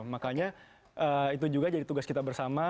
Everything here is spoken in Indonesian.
makanya itu juga jadi tugas kita bersama